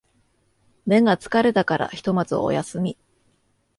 目が疲れたからひとまずお休み